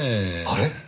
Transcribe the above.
あれ？